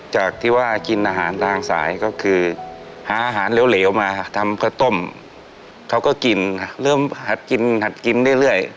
จากที่ว่ากินอาหารด้างสายก็คือหาอาหารเหลวเริ่มถอดกินเรื่อย